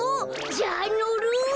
じゃあのる。